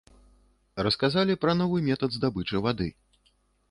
Расказалі пра новы метад здабычы вады.